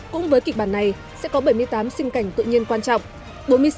cũng với kịch bản này sẽ có bảy mươi tám sinh cảnh tự nhiên quan trọng